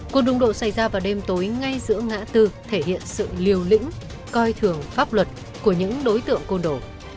cuộc đụng độ xảy ra vào đêm tối ngay giữa ngã tư thể hiện sự liều lĩnh coi thường pháp luật của những đối tượng côn đổ